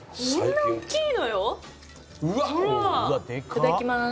いただきます。